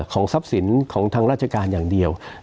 ของทรัพย์สินของทางราชการอย่างเดียว